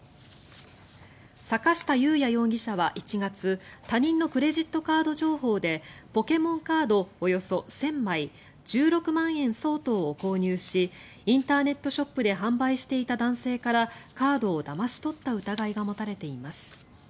坂下裕也容疑者は１月他人のクレジットカード情報でポケモンカードおよそ１０００枚１６万円相当を購入しインターネットショップで販売していた男性からカードをだまし取った疑いが持たれています。